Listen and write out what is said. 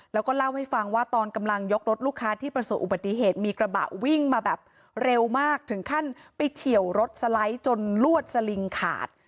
แล้วก็เล่าให้ฟังว่าตอนกำลังยกรถลูกค้าที่ประสบอุบัติเหตุมีกระบะวิ่งมาแบบเร็วมากถึงขั้นไปเฉียวรถสไลด์จนลวดสลิงขาด